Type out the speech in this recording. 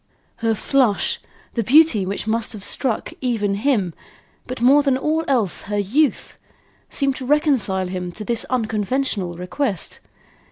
Her flush, the beauty which must have struck even him, but more than all else her youth, seemed to reconcile him to this unconventional request.